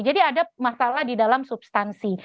jadi ada masalah di dalam substansi